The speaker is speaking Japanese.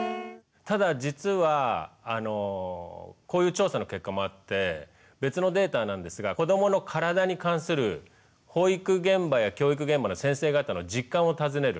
ただ実はこういう調査の結果もあって別のデータなんですが子どもの体に関する保育現場や教育現場の先生方の実感を尋ねる